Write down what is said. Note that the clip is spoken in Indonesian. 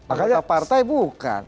akhirnya partai bukan